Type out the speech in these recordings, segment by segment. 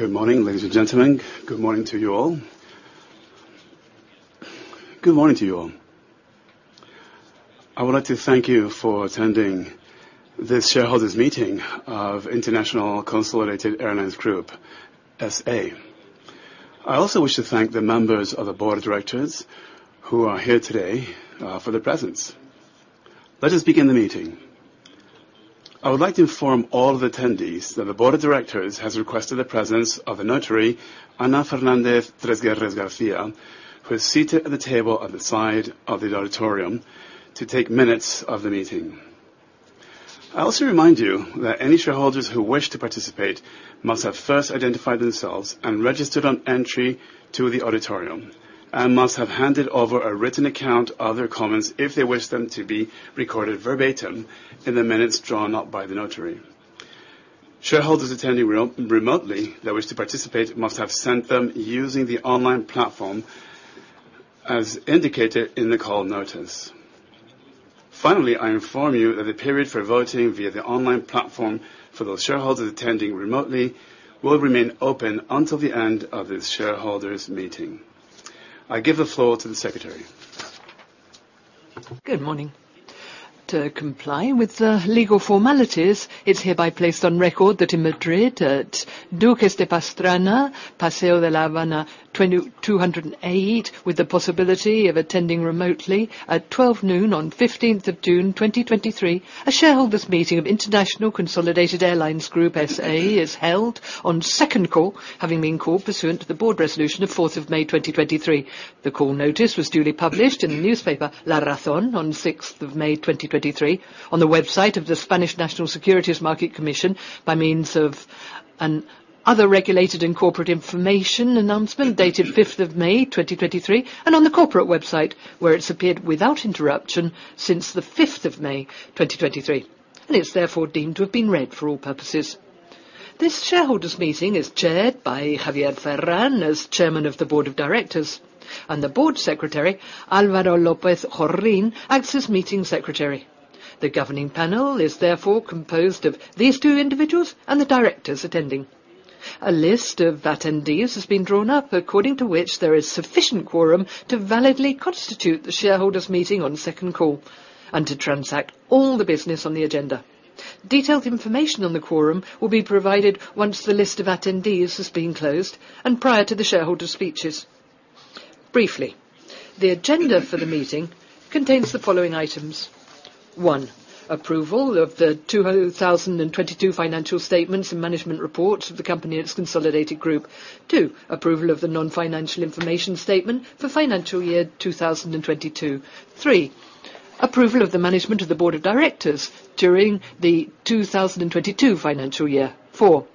Good morning, ladies and gentlemen. Good morning to you all. I would like to thank you for attending this shareholders' meeting of International Consolidated Airlines Group, S.A. I also wish to thank the members of the board of directors who are here today for their presence. Let us begin the meeting. I would like to inform all the attendees that the board of directors has requested the presence of a notary, Ana Fernández-Tresguerres García, who is seated at the table on the side of the auditorium, to take minutes of the meeting. I also remind you that any shareholders who wish to participate must have first identified themselves and registered on entry to the auditorium, and must have handed over a written account of their comments if they wish them to be recorded verbatim in the minutes drawn up by the notary. Shareholders attending remotely, that wish to participate, must have sent them using the online platform as indicated in the call notice. Finally, I inform you that the period for voting via the online platform for those shareholders attending remotely will remain open until the end of this shareholders' meeting. I give the floor to the secretary. Good morning. To comply with the legal formalities, it's hereby placed on record that in Madrid, at Duques de Pastrana, Paseo de la Habana, 2208, with the possibility of attending remotely at 12:00 P.M. on June 15th, 2023, a shareholders' meeting of International Consolidated Airlines Group, S.A., is held on second call, having been called pursuant to the board resolution of May 4th, 2023. The call notice was duly published in the newspaper, La Razón, on May 6th, 2023, on the website of the Spanish National Securities Market Commission, by means of an other regulated and corporate information announcement, dated May 5th, 2023, and on the corporate website, where it's appeared without interruption since May 5th, 2023, and it's therefore deemed to have been read for all purposes. This shareholders' meeting is chaired by Javier Ferrán, as chairman of the board of directors, and the board secretary, Álvaro López-Jorrín, acts as meeting secretary. The governing panel is therefore composed of these two individuals and the directors attending. A list of attendees has been drawn up, according to which there is sufficient quorum to validly constitute the shareholders' meeting on second call, and to transact all the business on the agenda. Detailed information on the quorum will be provided once the list of attendees has been closed, and prior to the shareholder speeches. Briefly, the agenda for the meeting contains the following items: 1, approval of the 2022 financial statements and management reports of the company, its consolidated group. 2, approval of the non-financial information statement for financial year 2022. 3, approval of the management of the board of directors during the 2022 financial year. 4,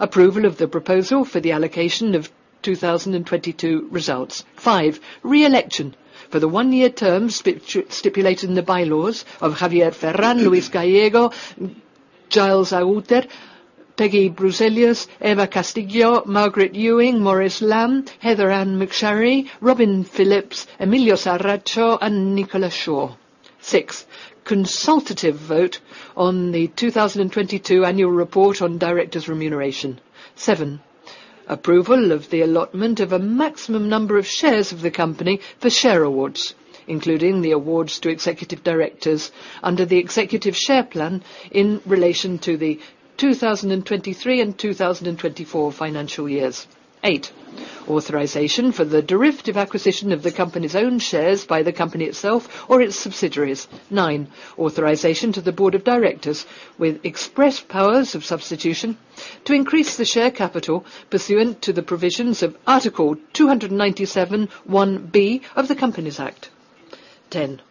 approval of the proposal for the allocation of 2022 results. 5, re-election for the 1-year term stipulated in the bylaws of Javier Ferrán, Luis Gallego, Giles Agutter, Peggy Bruzelius, Eva Castillo Sanz, Margaret Ewing, Maurice Lam, Heather Ann McSharry, Robin Phillips, Emilio Saracho, and Nicola Shaw. 6, consultative vote on the 2022 annual report on directors' remuneration. 7, approval of the allotment of a maximum number of shares of the company for share awards, including the awards to executive directors under the Executive Share Plan in relation to the 2023 and 2024 financial years. 8, authorization for the derivative acquisition of the company's own shares by the company itself or its subsidiaries. 9, authorization to the board of directors with express powers of substitution to increase the share capital pursuant to the provisions of Article 297.1.b of the Corporate Enterprises Act. 10,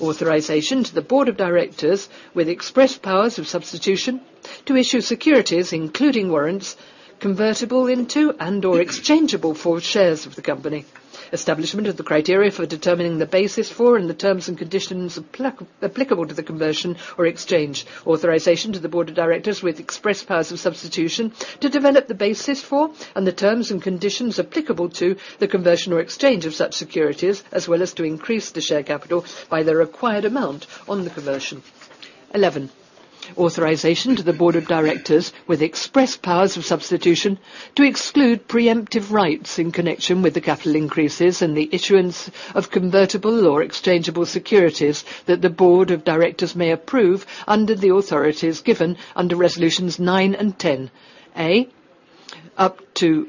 authorization to the board of directors with express powers of substitution to issue securities, including warrants, convertible into and/or exchangeable for shares of the company. Establishment of the criteria for determining the basis for, and the terms and conditions applicable to the conversion or exchange. Authorization to the board of directors with express powers of substitution to develop the basis for, and the terms and conditions applicable to, the conversion or exchange of such securities, as well as to increase the share capital by the required amount on the conversion. 11, authorization to the Board of Directors with express powers of substitution to exclude preemptive rights in connection with the capital increases and the issuance of convertible or exchangeable securities that the Board of Directors may approve under the authorities given under resolutions 9 and 10. A, up to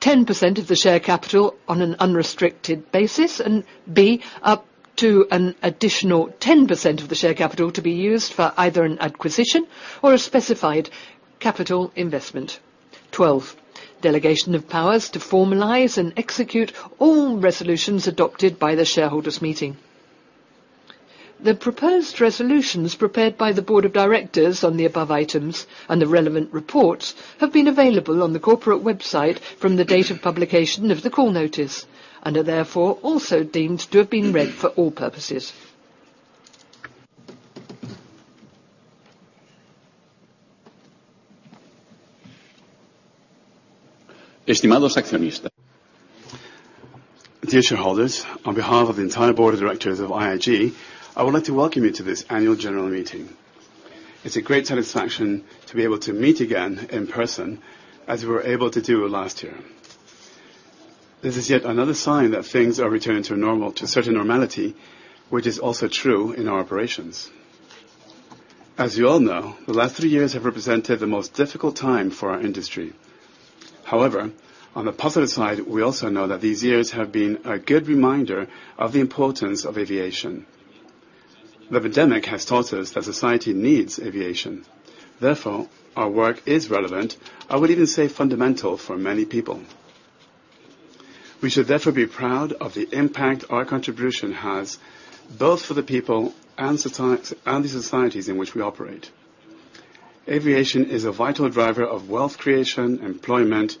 10% of the share capital on an unrestricted basis, and B, up to an additional 10% of the share capital to be used for either an acquisition or a specified capital investment. 12, delegation of powers to formalize and execute all resolutions adopted by the Shareholders' Meeting. The proposed resolutions prepared by the Board of Directors on the above items and the relevant reports, have been available on the corporate website from the date of publication of the call notice, and are therefore also deemed to have been read for all purposes. Dear shareholders, on behalf of the entire board of directors of IAG, I would like to welcome you to this annual general meeting. It's a great satisfaction to be able to meet again in person, as we were able to do last year. This is yet another sign that things are returning to normal, to a certain normality, which is also true in our operations. As you all know, the last three years have represented the most difficult time for our industry. On the positive side, we also know that these years have been a good reminder of the importance of aviation. The pandemic has taught us that society needs aviation, therefore, our work is relevant, I would even say fundamental for many people. We should therefore be proud of the impact our contribution has, both for the people and the societies in which we operate. Aviation is a vital driver of wealth creation, employment,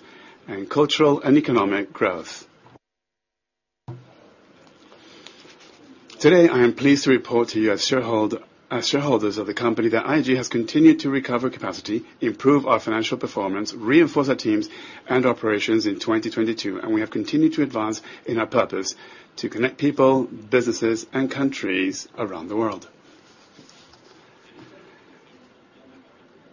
and cultural and economic growth. Today, I am pleased to report to you as shareholders of the company, that IAG has continued to recover capacity, improve our financial performance, reinforce our teams and operations in 2022, we have continued to advance in our purpose to connect people, businesses, and countries around the world.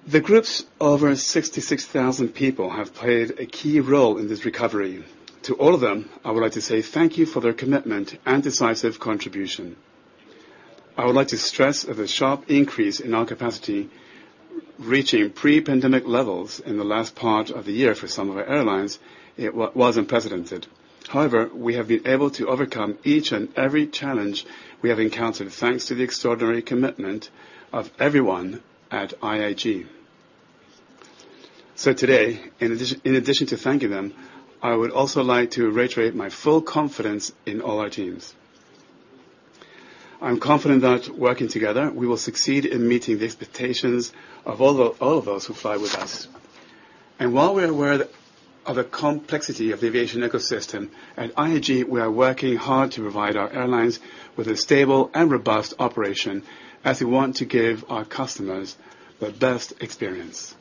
The group's over 66,000 people have played a key role in this recovery. To all of them, I would like to say thank you for their commitment and decisive contribution. I would like to stress the sharp increase in our capacity, reaching pre-pandemic levels in the last part of the year for some of our Airlines, it was unprecedented. However, we have been able to overcome each and every challenge we have encountered, thanks to the extraordinary commitment of everyone at IAG. Today, in addition to thanking them, I would also like to reiterate my full confidence in all our teams. I'm confident that working together, we will succeed in meeting the expectations of all those who fly with us. While we are aware of the complexity of the aviation ecosystem, at IAG, we are working hard to provide our Airlines with a stable and robust operation, as we want to give our customers the best experience.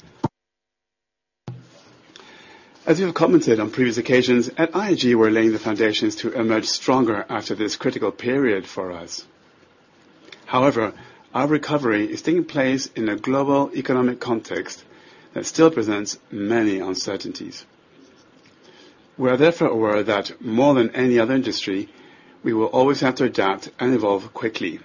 As we have commented on previous occasions, at IAG, we're laying the foundations to emerge stronger after this critical period for us. Our recovery is taking place in a global economic context that still presents many uncertainties. We are therefore aware that more than any other industry, we will always have to adapt and evolve quickly.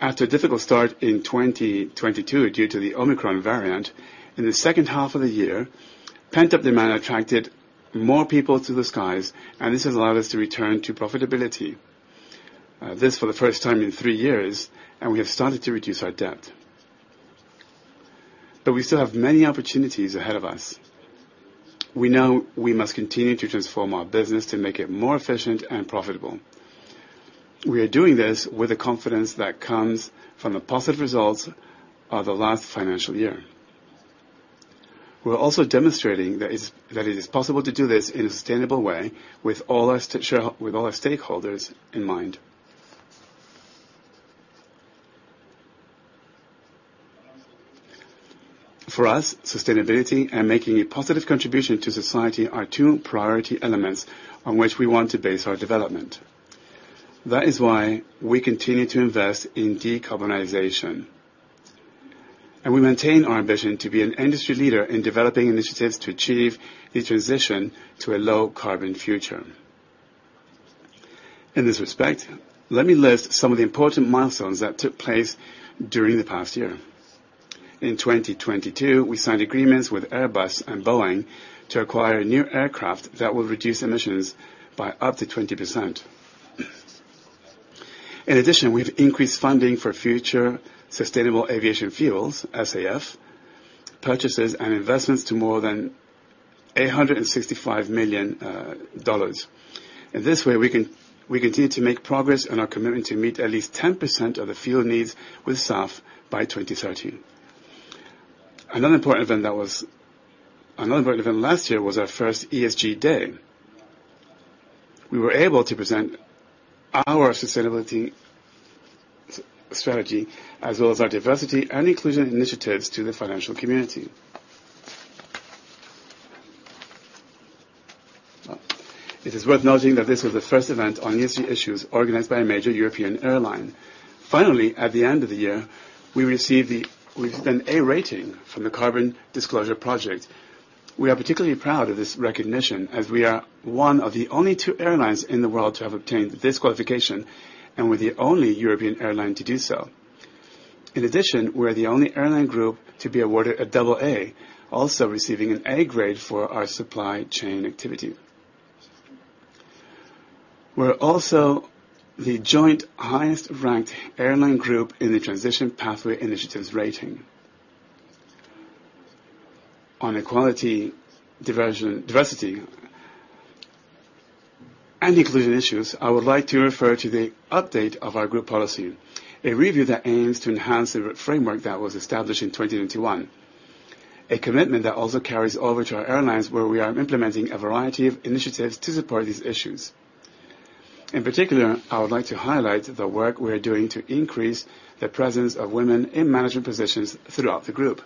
After a difficult start in 2022 due to the Omicron variant, in the second half of the year, pent-up demand attracted more people to the skies, and this has allowed us to return to profitability. This for the first time in 3 years. We have started to reduce our debt. We still have many opportunities ahead of us. We know we must continue to transform our business to make it more efficient and profitable. We are doing this with the confidence that comes from the positive results of the last financial year. We're also demonstrating that it is possible to do this in a sustainable way with all our stakeholders in mind. For us, sustainability and making a positive contribution to society are two priority elements on which we want to base our development. That is why we continue to invest in decarbonization, and we maintain our ambition to be an industry leader in developing initiatives to achieve the transition to a low-carbon future. In this respect, let me list some of the important milestones that took place during the past year. In 2022, we signed agreements with Airbus and Boeing to acquire new aircraft that will reduce emissions by up to 20%. We've increased funding for future sustainable aviation fuels, SAF, purchases and investments to more than $865 million. We continue to make progress on our commitment to meet at least 10% of the fuel needs with SAF by 2030. Another important event last year was our first ESG day. We were able to present our sustainability strategy, as well as our diversity and inclusion initiatives, to the financial community. It is worth noting that this was the first event on ESG issues organized by a major European Airline. At the end of the year, we've been A rating from the Carbon Disclosure Project. We are particularly proud of this recognition, as we are one of the only two Airlines in the world to have obtained this qualification and we're the only European Airline to do so. In addition, we're the only Airline group to be awarded a double A, also receiving an A grade for our supply chain activity. We're also the joint highest-ranked Airline group in the Transition Pathway Initiative's rating. On equality, diversion, diversity and inclusion issues, I would like to refer to the update of our group policy, a review that aims to enhance the framework that was established in 2021. A commitment that also carries over to our Airlines, where we are implementing a variety of initiatives to support these issues. In particular, I would like to highlight the work we are doing to increase the presence of women in management positions throughout the group.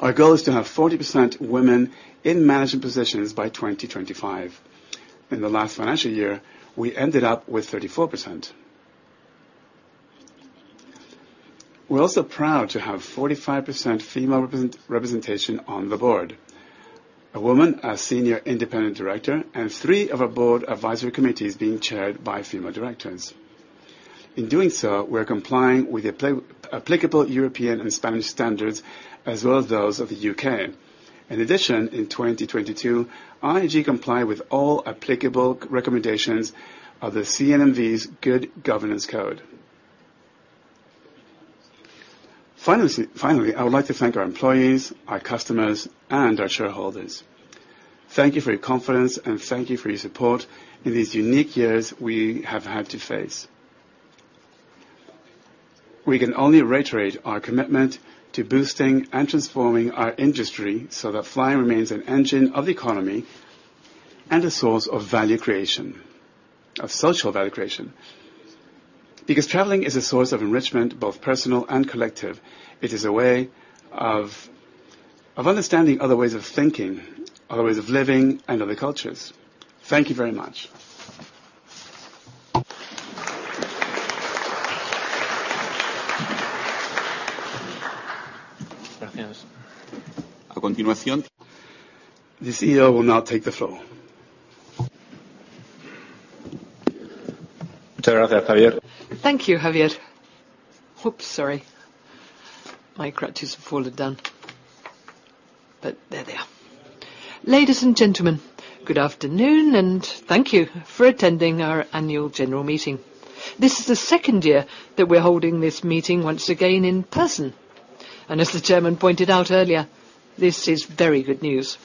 Our goal is to have 40% women in management positions by 2025. In the last financial year, we ended up with 34%. We're also proud to have 45% female representation on the board. A woman, a senior independent director, and three of our board advisory committees being chaired by female directors. In doing so, we are complying with applicable European and Spanish standards, as well as those of the U.K. In addition, in 2022, IAG complied with all applicable recommendations of the CNMV's Good Governance Code. Finally, I would like to thank our employees, our customers, and our shareholders. Thank you for your confidence, thank you for your support in these unique years we have had to face. We can only reiterate our commitment to boosting and transforming our industry so that flying remains an engine of the economy and a source of value creation, of social value creation. Traveling is a source of enrichment, both personal and collective. It is a way of understanding other ways of thinking, other ways of living, and other cultures. Thank you very much. Gracias. The CEO will now take the floor. Muchas gracias, Javier. Thank you, Javier. Oops, sorry. My crutches have fallen down, but there they are. Ladies and gentlemen, good afternoon, and thank you for attending our annual general meeting. This is the second year that we're holding this meeting once again in person, and as the Chairman pointed out earlier, this is very good news.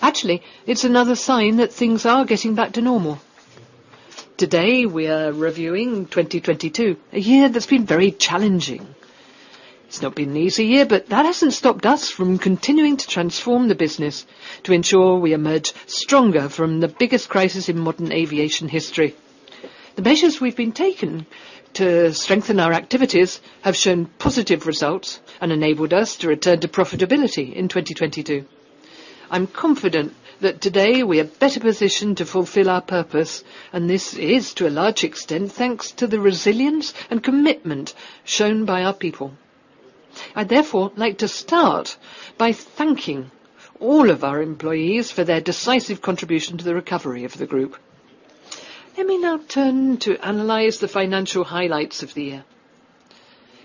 Actually, it's another sign that things are getting back to normal. Today, we are reviewing 2022, a year that's been very challenging. It's not been an easy year, but that hasn't stopped us from continuing to transform the business to ensure we emerge stronger from the biggest crisis in modern aviation history. The measures we've been taken to strengthen our activities have shown positive results and enabled us to return to profitability in 2022. I'm confident that today we are better positioned to fulfill our purpose, and this is, to a large extent, thanks to the resilience and commitment shown by our people. I'd therefore like to start by thanking all of our employees for their decisive contribution to the recovery of the Group. Let me now turn to analyze the financial highlights of the year.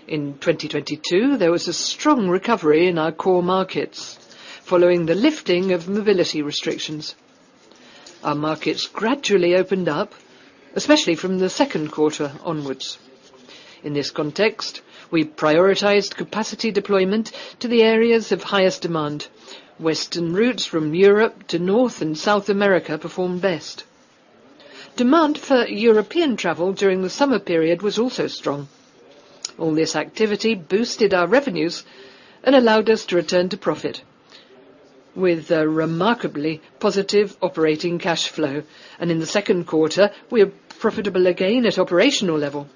In 2022, there was a strong recovery in our core markets, following the lifting of mobility restrictions. Our markets gradually opened up, especially from the second quarter onwards. In this context, we prioritized capacity deployment to the areas of highest demand. Western routes from Europe to North and South America performed best. Demand for European travel during the summer period was also strong. All this activity boosted our revenues and allowed us to return to profit with a remarkably positive operating cash flow, and in the second quarter, we are profitable again at operational level.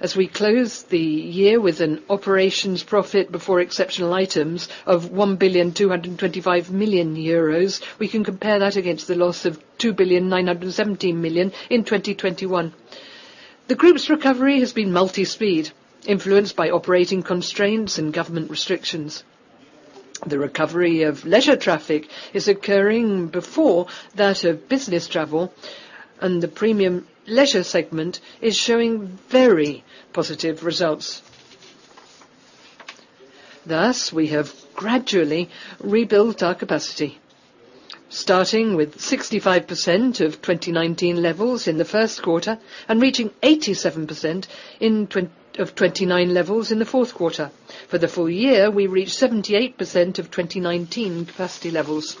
As we close the year with an operations profit before exceptional items of 1,225 million euros, we can compare that against the loss of 2,917 million in 2021. The group's recovery has been multi-speed, influenced by operating constraints and government restrictions. The recovery of leisure traffic is occurring before that of business travel, and the Premium Leisure segment is showing very positive results. Thus, we have gradually rebuilt our capacity, starting with 65% of 2019 levels in the first quarter and reaching 87% of 29 levels in the fourth quarter. For the full year, we reached 78% of 2019 capacity levels.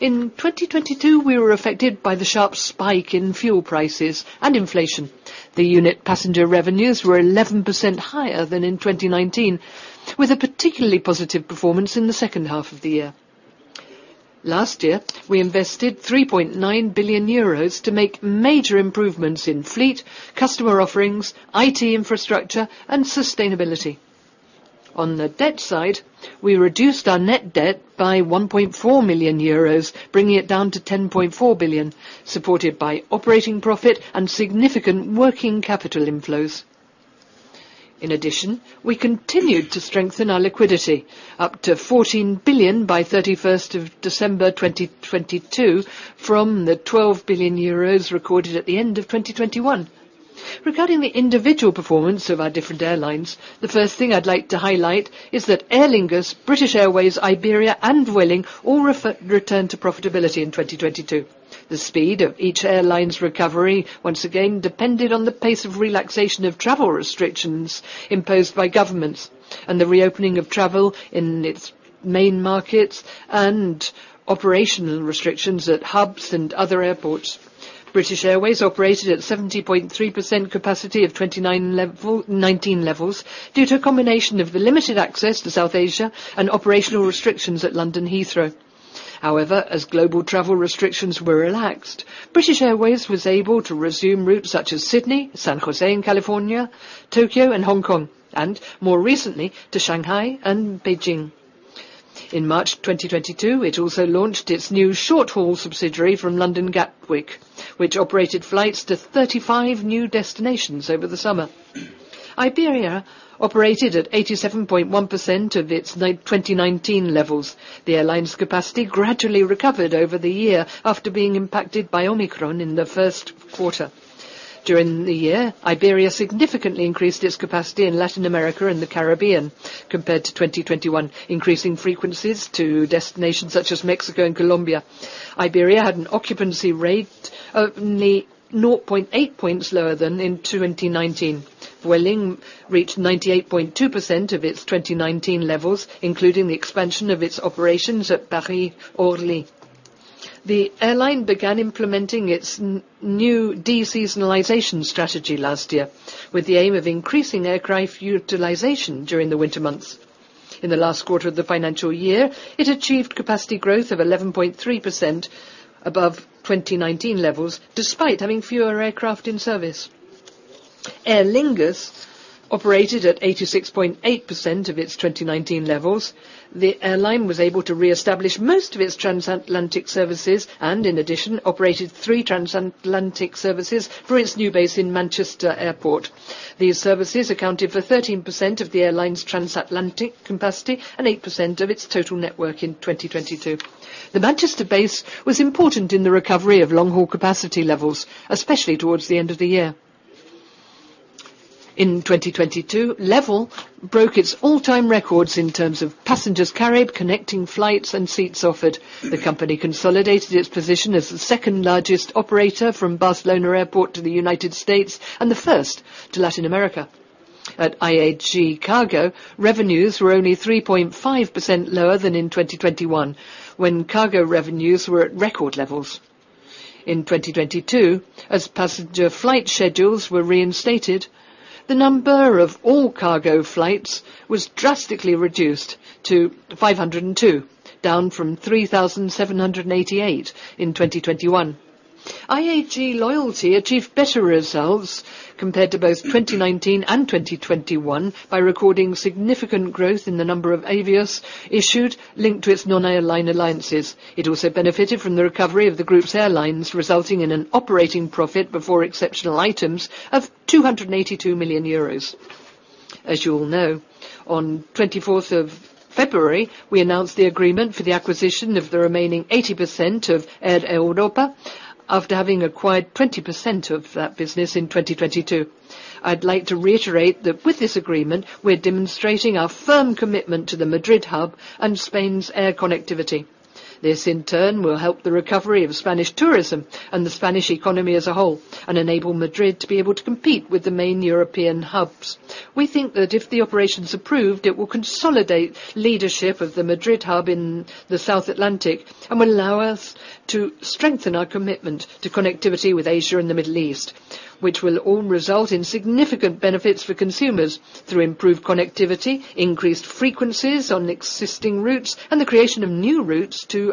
In 2022, we were affected by the sharp spike in fuel prices and inflation. The unit passenger revenues were 11% higher than in 2019, with a particularly positive performance in the second half of the year. Last year, we invested 3.9 billion euros to make major improvements in fleet, customer offerings, IT infrastructure, and sustainability. On the debt side, we reduced our net debt by 1.4 million euros, bringing it down to 10.4 billion, supported by operating profit and significant working capital inflows. In addition, we continued to strengthen our liquidity up to 14 billion by 31st of December 2022, from the 12 billion euros recorded at the end of 2021. Regarding the individual performance of our different Airlines, the first thing I'd like to highlight is that Aer Lingus, British Airways, Iberia, and Vueling all returned to profitability in 2022. The speed of each Airline's recovery, once again, depended on the pace of relaxation of travel restrictions imposed by governments and the reopening of travel in its main markets and operational restrictions at hubs and other airports. British Airways operated at 70.3% capacity of 19 levels due to a combination of the limited access to South Asia and operational restrictions at London, Heathrow. As global travel restrictions were relaxed, British Airways was able to resume routes such as Sydney, San Jose in California, Tokyo, and Hong Kong, and more recently, to Shanghai and Beijing. In March 2022, it also launched its new short-haul subsidiary from London Gatwick, which operated flights to 35 new destinations over the summer. Iberia operated at 87.1% of its 2019 levels. The Airline's capacity gradually recovered over the year after being impacted by Omicron in the first quarter. During the year, Iberia significantly increased its capacity in Latin America and the Caribbean compared to 2021, increasing frequencies to destinations such as Mexico and Colombia. Iberia had an occupancy rate of only 0.8 points lower than in 2019. Vueling reached 98.2% of its 2019 levels, including the expansion of its operations at Paris Orly. The Airline began implementing its new deseasonalization strategy last year, with the aim of increasing aircraft utilization during the winter months. In the last quarter of the financial year, it achieved capacity growth of 11.3% above 2019 levels, despite having fewer aircraft in service. Aer Lingus operated at 86.8% of its 2019 levels. The Airline was able to reestablish most of its transatlantic services, and in addition, operated 3 transatlantic services for its new base in Manchester Airport. These services accounted for 13% of the Airline's transatlantic capacity and 8% of its total network in 2022. The Manchester base was important in the recovery of long-haul capacity levels, especially towards the end of the year. In 2022, LEVEL broke its all-time records in terms of passengers carried, connecting flights, and seats offered. The company consolidated its position as the second-largest operator from Barcelona Airport to the United States and the first to Latin America. At IAG Cargo, revenues were only 3.5% lower than in 2021, when cargo revenues were at record levels. In 2022, as passenger flight schedules were reinstated, the number of all-cargo flights was drastically reduced to 502, down from 3,788 in 2021. IAG Loyalty achieved better results compared to both 2019 and 2021 by recording significant growth in the number of Avios issued linked to its non-Airline alliances. It also benefited from the recovery of the Group's Airlines, resulting in an operating profit before exceptional items of 282 million euros. As you all know, on 24th of February, we announced the agreement for the acquisition of the remaining 80% of Air Europa after having acquired 20% of that business in 2022. I'd like to reiterate that with this agreement, we're demonstrating our firm commitment to the Madrid hub and Spain's air connectivity. This, in turn, will help the recovery of Spanish tourism and the Spanish economy as a whole, enable Madrid to be able to compete with the main European hubs. We think that if the operation's approved, it will consolidate leadership of the Madrid hub in the South Atlantic and will allow us to strengthen our commitment to connectivity with Asia and the Middle East, which will all result in significant benefits for consumers through improved connectivity, increased frequencies on existing routes, and the creation of new routes to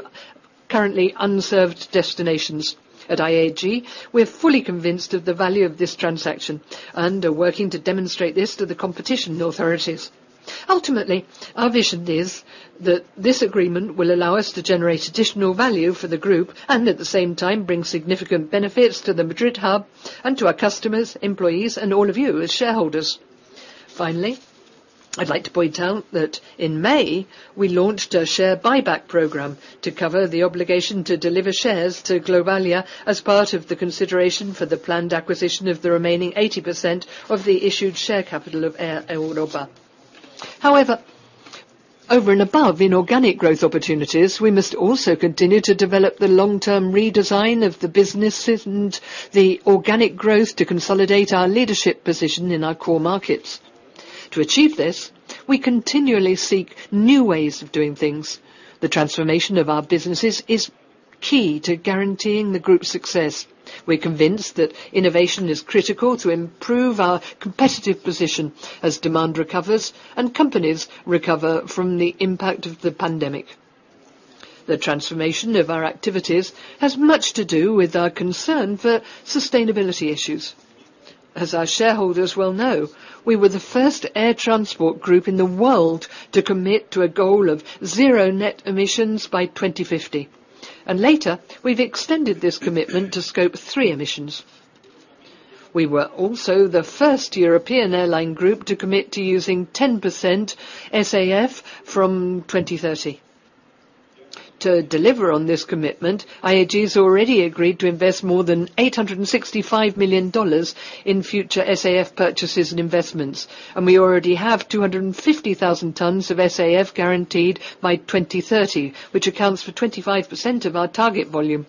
currently unserved destinations. At IAG, we're fully convinced of the value of this transaction and are working to demonstrate this to the competition authorities. Ultimately, our vision is that this agreement will allow us to generate additional value for the Group and at the same time, bring significant benefits to the Madrid hub and to our customers, employees, and all of you as shareholders. Finally, I'd like to point out that in May, we launched a share buyback program to cover the obligation to deliver shares to Globalia as part of the consideration for the planned acquisition of the remaining 80% of the issued share capital of Air Europa. Over and above inorganic growth opportunities, we must also continue to develop the long-term redesign of the businesses and the organic growth to consolidate our leadership position in our core markets. To achieve this, we continually seek new ways of doing things. The transformation of our businesses is key to guaranteeing the Group's success. We're convinced that innovation is critical to improve our competitive position as demand recovers and companies recover from the impact of the pandemic. The transformation of our activities has much to do with our concern for sustainability issues. As our shareholders well know, we were the first air transport group in the world to commit to a goal of zero net emissions by 2050. Later, we've extended this commitment to Scope 3 emissions. We were also the first European Airline group to commit to using 10% SAF from 2030. To deliver on this commitment, IAG has already agreed to invest more than $865 million in future SAF purchases and investments. We already have 250,000 tons of SAF guaranteed by 2030, which accounts for 25% of our target volume.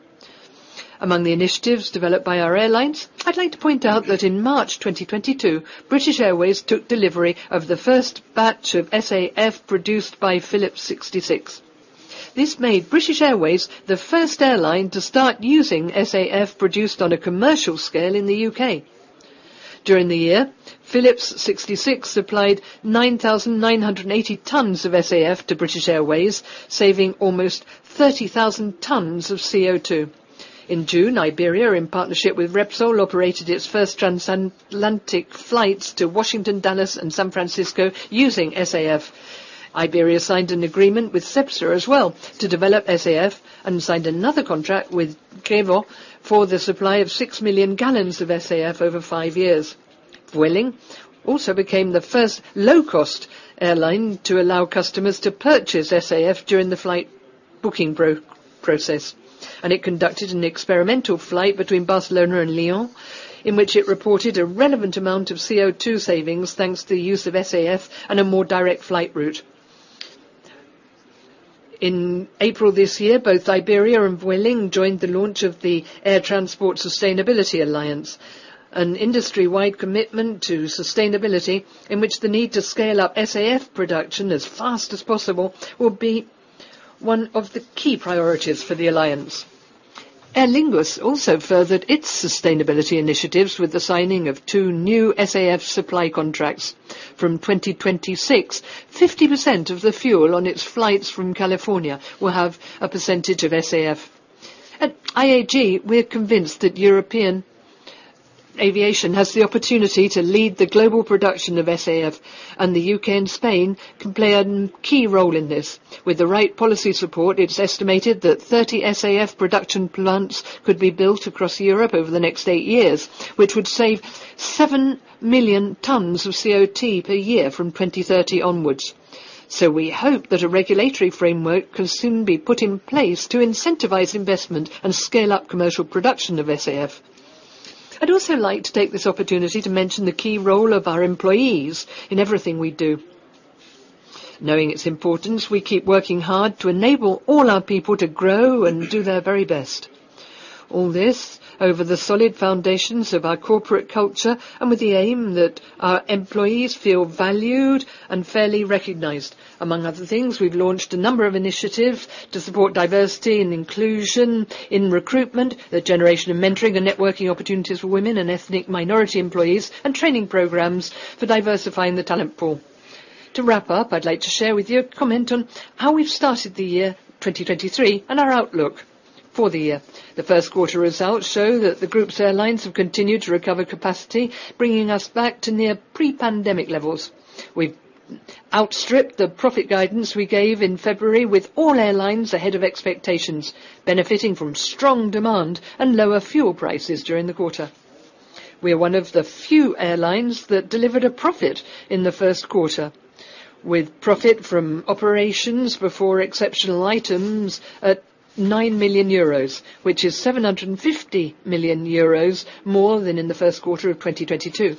Among the initiatives developed by our Airlines, I'd like to point out that in March 2022, British Airways took delivery of the first batch of SAF produced by Phillips 66. This made British Airways the first Airline to start using SAF produced on a commercial scale in the U.K. During the year, Phillips 66 applied 9,980 tons of CO₂. In June, Iberia, in partnership with Repsol, operated its first transatlantic flights to Washington, Dallas, and San Francisco using SAF. Iberia signed an agreement with Cepsa as well to develop SAF, and signed another contract with Gevo for the supply of 6 million gallons of SAF over 5 years. Vueling also became the first low-cost Airline to allow customers to purchase SAF during the flight booking process, and it conducted an experimental flight between Barcelona and Lyon, in which it reported a relevant amount of CO₂ savings, thanks to the use of SAF and a more direct flight route. In April this year, both Iberia and Vueling joined the launch of the Alliance for Air Transport Sustainability, an industry-wide commitment to sustainability, in which the need to scale up SAF production as fast as possible will be one of the key priorities for the alliance. Aer Lingus also furthered its sustainability initiatives with the signing of two new SAF supply contracts. From 2026, 50% of the fuel on its flights from California will have a percentage of SAF. At IAG, we're convinced that European aviation has the opportunity to lead the global production of SAF, and the U.K. and Spain can play a key role in this. With the right policy support, it's estimated that 30 SAF production plants could be built across Europe over the next 8 years, which would save 7 million tons of CO₂ per year from 2030 onwards. We hope that a regulatory framework can soon be put in place to incentivize investment and scale up commercial production of SAF. I'd also like to take this opportunity to mention the key role of our employees in everything we do. Knowing its importance, we keep working hard to enable all our people to grow and do their very best. All this over the solid foundations of our corporate culture and with the aim that our employees feel valued and fairly recognized. Among other things, we've launched a number of initiatives to support diversity and inclusion in recruitment, the generation and mentoring and networking opportunities for women and ethnic minority employees, and training programs for diversifying the talent pool. To wrap up, I'd like to share with you a comment on how we've started the year 2023, and our outlook for the year. The first quarter results show that the group's Airlines have continued to recover capacity, bringing us back to near pre-pandemic levels. We've outstripped the profit guidance we gave in February, with all Airlines ahead of expectations, benefiting from strong demand and lower fuel prices during the quarter. We are one of the few Airlines that delivered a profit in the first quarter, with profit from operations before exceptional items at 9 million euros, which is 750 million euros more than in the first quarter of 2022.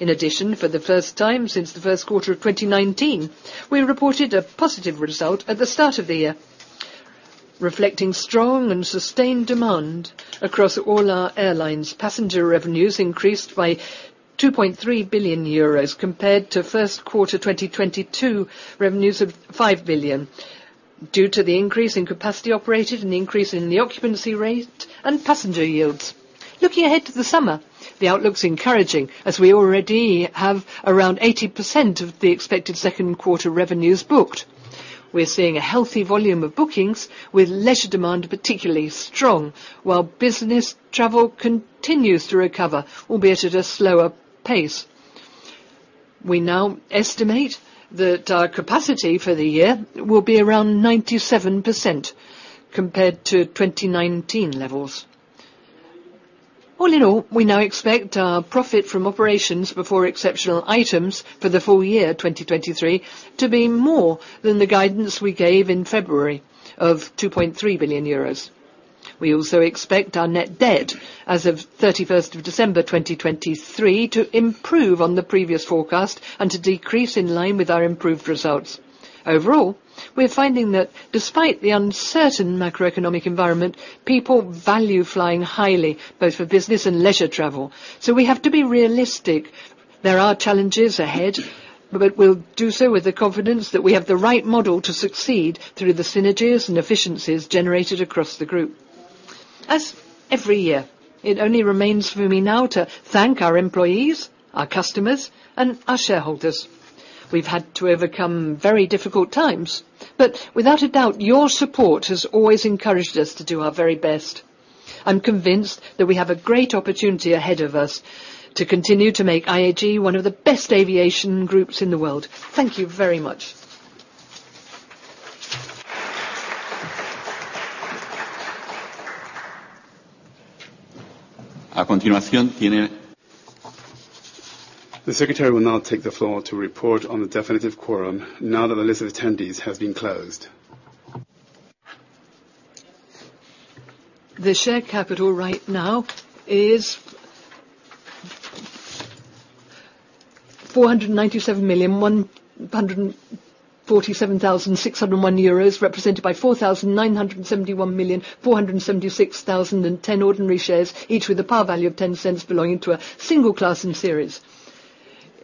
In addition, for the first time since the first quarter of 2019, we reported a positive result at the start of the year, reflecting strong and sustained demand across all our Airlines. Passenger revenues increased by 2.3 billion euros compared to first quarter 2022 revenues of 5 billion, due to the increase in capacity operated and the increase in the occupancy rate and passenger yields. Looking ahead to the summer, the outlook's encouraging, as we already have around 80% of the expected second quarter revenues booked. We're seeing a healthy volume of bookings, with leisure demand particularly strong, while business travel continues to recover, albeit at a slower pace. We now estimate that our capacity for the year will be around 97% compared to 2019 levels. All in all, we now expect our profit from operations before exceptional items for the full year 2023 to be more than the guidance we gave in February of 2.3 billion euros. We also expect our net debt as of 31st of December 2023 to improve on the previous forecast and to decrease in line with our improved results. Overall, we're finding that despite the uncertain macroeconomic environment, people value flying highly, both for business and leisure travel. We have to be realistic. There are challenges ahead, but we'll do so with the confidence that we have the right model to succeed through the synergies and efficiencies generated across the group. As every year, it only remains for me now to thank our employees, our customers, and our shareholders. We've had to overcome very difficult times, but without a doubt, your support has always encouraged us to do our very best. I'm convinced that we have a great opportunity ahead of us to continue to make IAG one of the best aviation groups in the world. Thank you very much. The secretary will now take the floor to report on the definitive quorum now that the list of attendees has been closed. The share capital right now is EUR 497,147,601, represented by 4,971,476,010 ordinary shares, each with a par value of 0.10 belonging to a single class and series.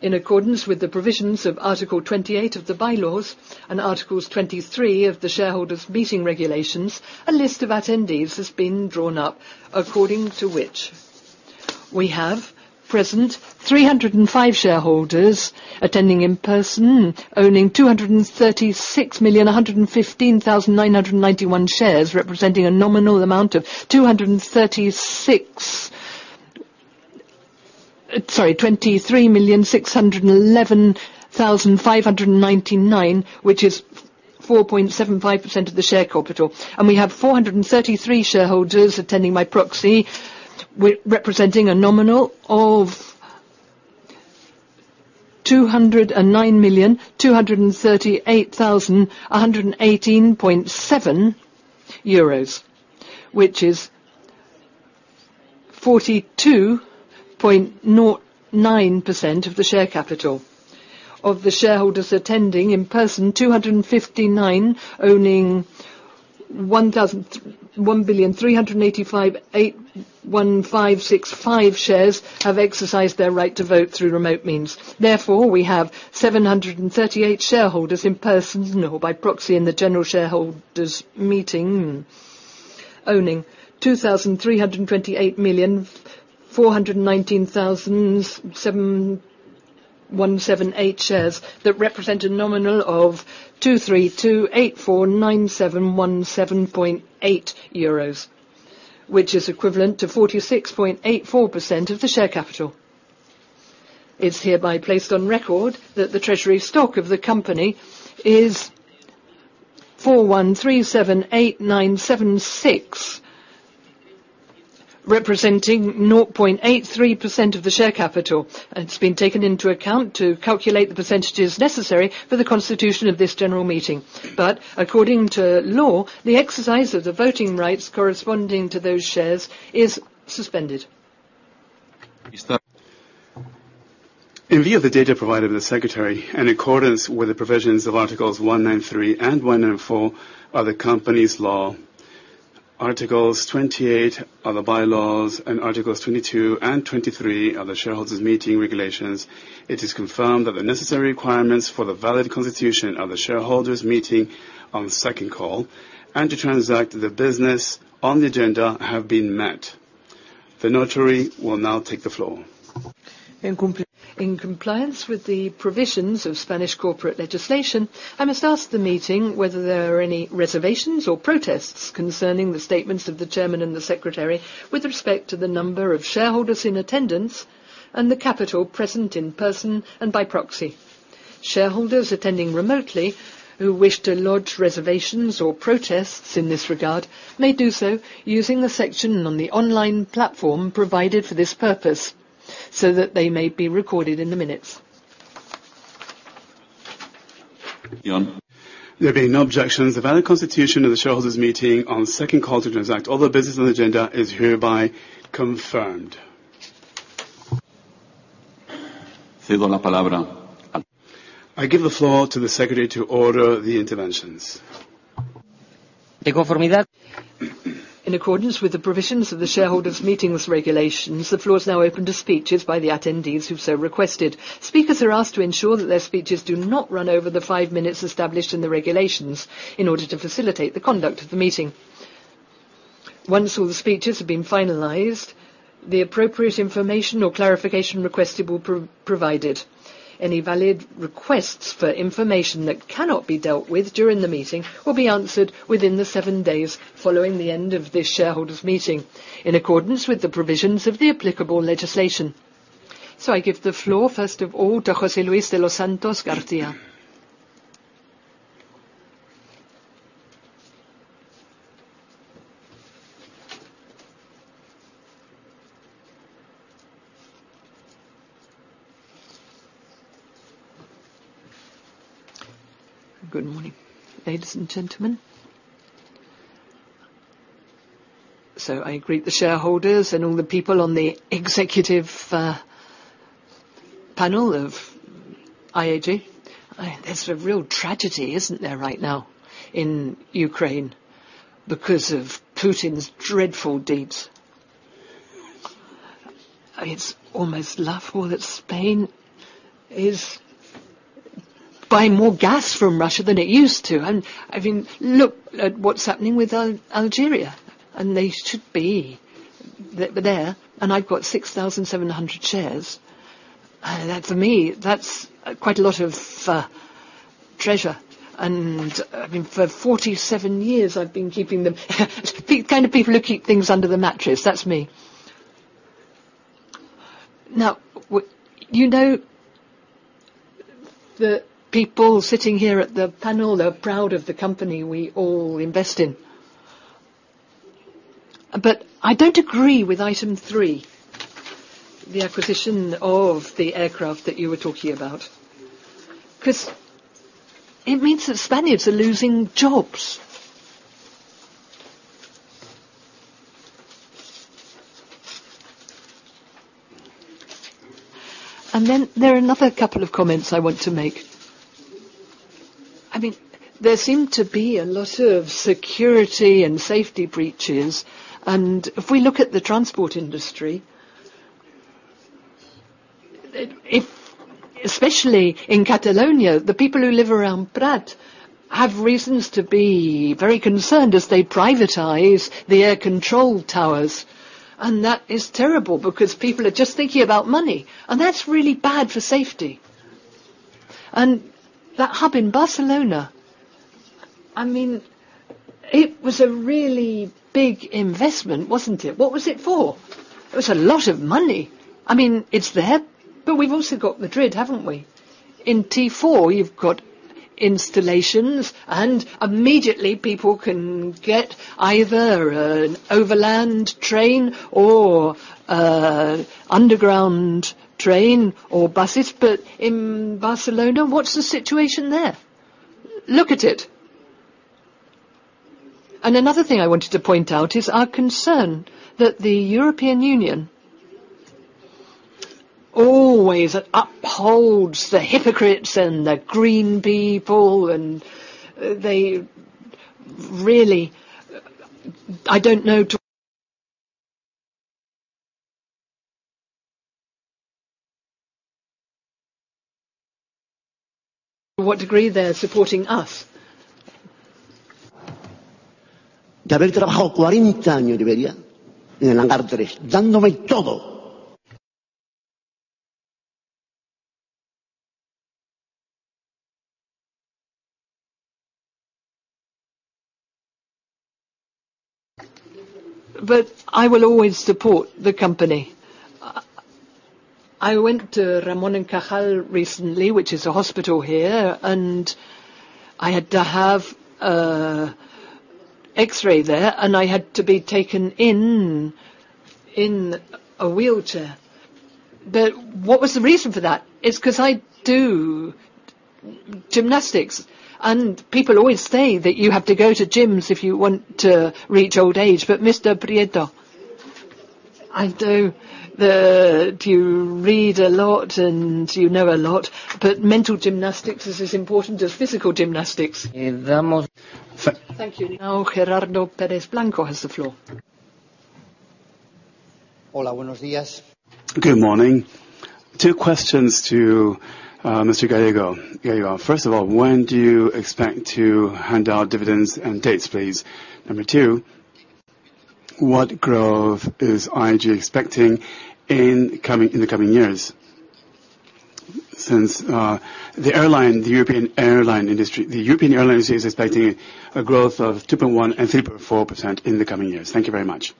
In accordance with the provisions of Article 28 of the bylaws and Articles 23 of the Shareholders' Meeting Regulations, a list of attendees has been drawn up, according to which we have present 305 shareholders attending in person, owning 236,115,991 shares, representing a nominal amount of, Sorry, 23,611,599, which is 4.75% of the share capital. We have 433 shareholders attending by proxy, representing a nominal of 209,238,118.7 euros, which is 42.09% of the share capital. Of the shareholders attending in person, 259, owning 1,385,081,565 shares, have exercised their right to vote through remote means. We have 738 shareholders in person or by proxy in the general shareholders meeting, owning 2,328,419,7178 shares, that represent a nominal of 232,849,717.8 euros, which is equivalent to 46.84% of the share capital. It's hereby placed on record that the treasury stock of the company is 41,378,976, representing 0.83% of the share capital. It's been taken into account to calculate the percentages necessary for the constitution of this general meeting. According to law, the exercise of the voting rights corresponding to those shares is suspended. In view of the data provided by the secretary, in accordance with the provisions of Articles 193 and 194 of the company's law, Articles 28 of the bylaws, and Articles 22 and 23 of the Shareholders' Meeting Regulations, it is confirmed that the necessary requirements for the valid constitution of the shareholders meeting on the second call, and to transact the business on the agenda, have been met. The notary will now take the floor. In compliance with the provisions of Spanish corporate legislation, I must ask the meeting whether there are any reservations or protests concerning the statements of the chairman and the secretary, with respect to the number of shareholders in attendance and the capital present in person and by proxy. Shareholders attending remotely, who wish to lodge reservations or protests in this regard, may do so using the section on the online platform provided for this purpose, so that they may be recorded in the minutes. There being no objections, the valid constitution of the shareholders meeting on second call to transact all the business on the agenda is hereby confirmed. I give the floor to the secretary to order the interventions. In accordance with the provisions of the Shareholders' Meeting Regulations, the floor is now open to speeches by the attendees who've so requested. Speakers are asked to ensure that their speeches do not run over the five minutes established in the regulations, in order to facilitate the conduct of the meeting. Once all the speeches have been finalized, the appropriate information or clarification requested will provided. Any valid requests for information that cannot be dealt with during the meeting, will be answered within the seven days following the end of this shareholders' meeting, in accordance with the provisions of the applicable legislation. I give the floor, first of all, to Jose Luis de los Santos Garcia. Good morning, ladies and gentlemen. I greet the shareholders and all the people on the executive panel of IAG. There's a real tragedy, isn't there right now in Ukraine because of Putin's dreadful deeds? It's almost laughable that Spain is buying more gas from Russia than it used to, and, I mean, look at what's happening with Algeria, and they should be there. I've got 6,700 shares. For me, that's quite a lot of treasure, and I mean, for 47 years, I've been keeping them. The kind of people who keep things under the mattress, that's me. Now, you know, the people sitting here at the panel, they're proud of the company we all invest in. I don't agree with item 3, the acquisition of the aircraft that you were talking about, 'cause it means that Spaniards are losing jobs. There are another couple of comments I want to make. I mean, there seem to be a lot of security and safety breaches. If we look at the Transport industry, especially in Catalonia, the people who live around Prat have reasons to be very concerned as they privatize the air control towers. That is terrible because people are just thinking about money, and that's really bad for safety. That hub in Barcelona, I mean, it was a really big investment, wasn't it? What was it for? It was a lot of money. I mean, it's there. We've also got Madrid, haven't we? In T4, you've got installations, and immediately people can get either an overland train or underground train or buses. In Barcelona, what's the situation there? Look at it. Another thing I wanted to point out is our concern that the European Union always upholds the hypocrites and the green people, and they really, I don't know to what degree they're supporting us. I will always support the company. I went to Ramón y Cajal recently, which is a hospital here, and I had to have a X-ray there, and I had to be taken in a wheelchair. What was the reason for that? It's 'cause I do gymnastics, and people always say that you have to go to gyms if you want to reach old age. Mr. Prieto, I know that you read a lot, and you know a lot, but mental gymnastics is as important as physical gymnastics. Thank you. Now, Gerardo Pérez Blanco has the floor. Hola, buenos días. Good morning. two questions to Mr. Gallego. Here you are. First of all, when do you expect to hand out dividends, and dates, please? Number two, what growth is IAG expecting in the coming years? Since the European Airline industry is expecting a growth of 2.1%-3.4% in the coming years. Thank you very much.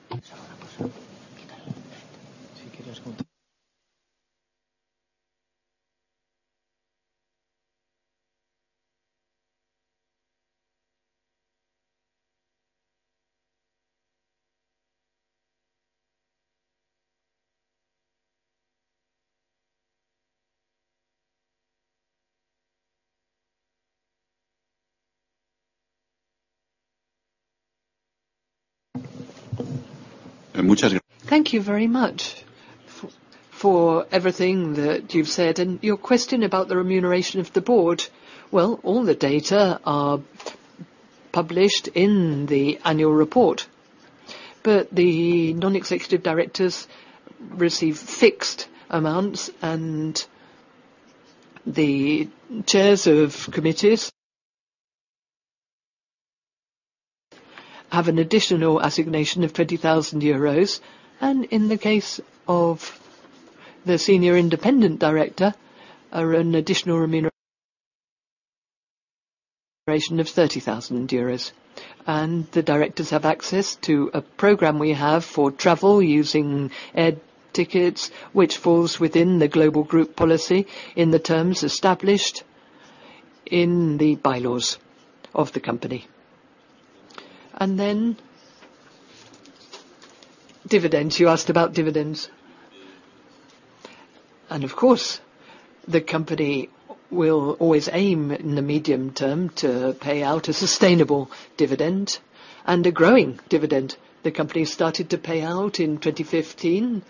Thank you very much for everything that you've said. Your question about the remuneration of the board, well, all the data are published in the annual report. The non-executive directors receive fixed amounts, and the chairs of committees... have an additional assignation of 20,000 euros, and in the case of the senior independent director, are an additional remuneration of 30,000 euros. The directors have access to a program we have for travel, using air tickets, which falls within the global group policy, in the terms established in the bylaws of the company. Dividends. You asked about dividends. Of course, the company will always aim in the medium term to pay out a sustainable dividend and a growing dividend. The company started to pay out in 2015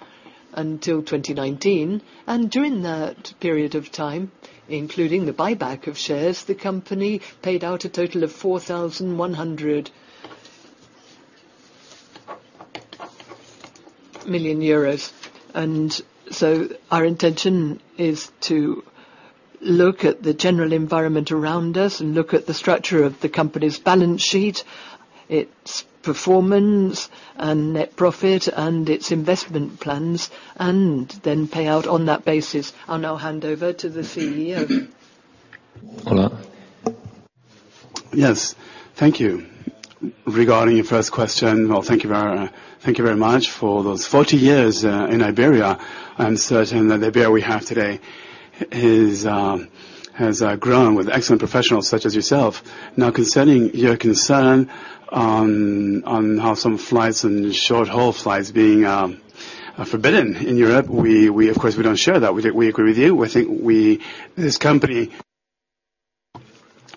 until 2019, during that period of time, including the buyback of shares, the company paid out a total of 4,100 million euros. Our intention is to look at the general environment around us and look at the structure of the company's balance sheet, its performance and net profit, and its investment plans, and then pay out on that basis. I'll now hand over to the CEO. Hola. Yes, thank you. Regarding your first question. Well, thank you very much for those 40 years in Iberia. I'm certain that the Iberia we have today is, has grown with excellent professionals such as yourself. Now, concerning your concern on how some flights and short-haul flights being forbidden in Europe, we of course, we don't share that. We agree with you. We think this company,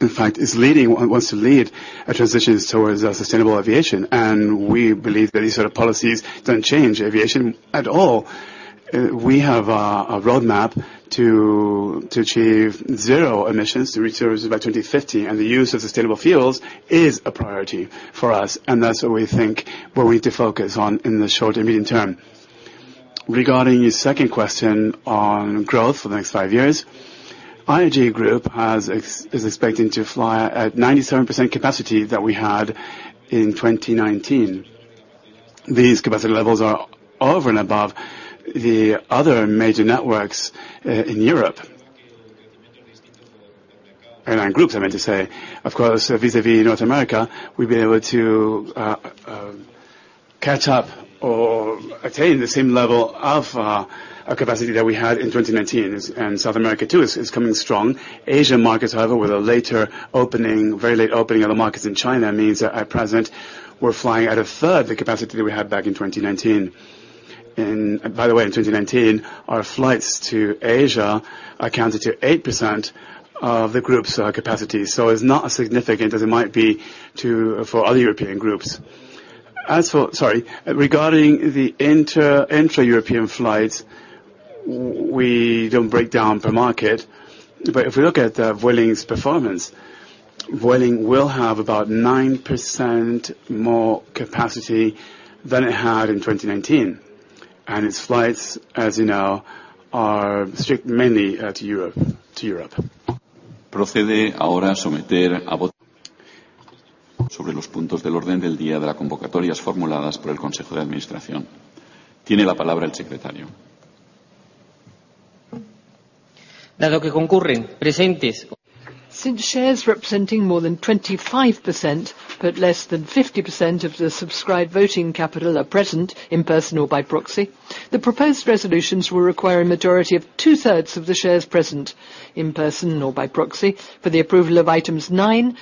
in fact, is leading and wants to lead a transition towards sustainable aviation, and we believe that these sort of policies don't change aviation at all. We have a roadmap to achieve zero emissions to reach zero by 2050, and the use of sustainable fuels is a priority for us, and that's what we think we're going to focus on in the short and medium term. Regarding your second question on growth for the next 5 years, IAG Group is expecting to fly at 97% capacity that we had in 2019. These capacity levels are over and above the other major networks in Europe. Airline groups, I meant to say. Of course, vis-à-vis North America, we've been able to catch up or attain the same level of capacity that we had in 2019, and South America, too, is coming strong. Asian markets, however, with a later opening, very late opening of the markets in China, means that at present, we're flying at a third the capacity that we had back in 2019. By the way, in 2019, our flights to Asia accounted to 8% of the group's capacity. It's not as significant as it might be to... for other European groups. Sorry. Regarding the inter- intra-European flights, we don't break down per market, but if we look at Vueling's performance, Vueling will have about 9% more capacity than it had in 2019, and its flights, as you know, are strict mainly to Europe. Since shares representing more than 25%, but less than 50% of the subscribed voting capital are present, in person or by proxy, the proposed resolutions will require a majority of two-thirds of the shares present, in person or by proxy, for the approval of items 9,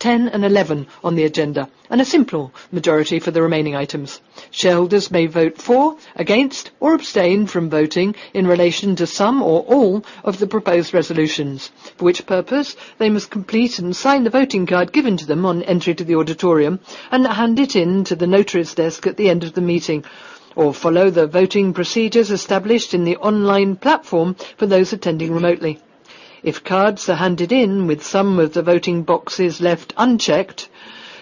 10, and 11 on the agenda, and a simple majority for the remaining items. Shareholders may vote for, against, or abstain from voting in relation to some or all of the proposed resolutions. For which purpose, they must complete and sign the voting card given to them on entry to the auditorium, and hand it in to the notary's desk at the end of the meeting, or follow the voting procedures established in the online platform for those attending remotely. If cards are handed in with some of the voting boxes left unchecked,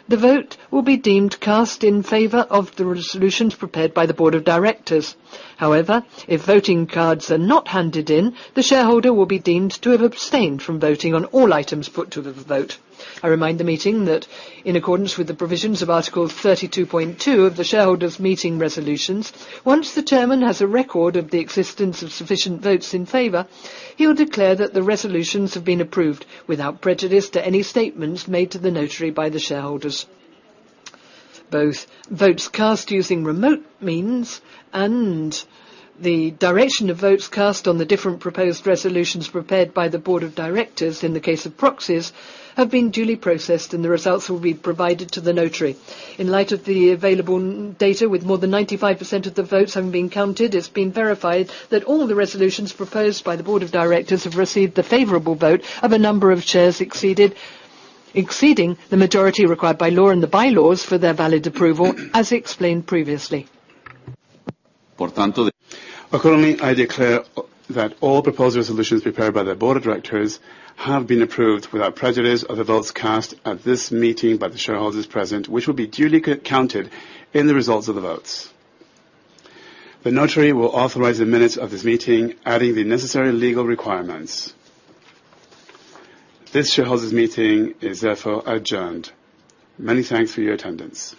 the vote will be deemed cast in favor of the resolutions prepared by the board of directors. However, if voting cards are not handed in, the shareholder will be deemed to have abstained from voting on all items put to the vote. I remind the meeting that in accordance with the provisions of Article 32.2 of the shareholders' meeting resolutions, once the chairman has a record of the existence of sufficient votes in favor, he'll declare that the resolutions have been approved without prejudice to any statements made to the notary by the shareholders. Both votes cast using remote means and the direction of votes cast on the different proposed resolutions prepared by the board of directors in the case of proxies, have been duly processed, and the results will be provided to the notary. In light of the available data, with more than 95% of the votes having been counted, it's been verified that all the resolutions proposed by the board of directors have received the favorable vote of a number of shares exceeding the majority required by law and the bylaws for their valid approval, as explained previously. Accordingly, I declare that all proposed resolutions prepared by the board of directors have been approved without prejudice of the votes cast at this meeting by the shareholders present, which will be duly counted in the results of the votes. The notary will authorize the minutes of this meeting, adding the necessary legal requirements. This shareholders' meeting is therefore adjourned. Many thanks for your attendance.